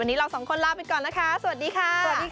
วันนี้เราสองคนลาไปก่อนนะคะสวัสดีค่ะ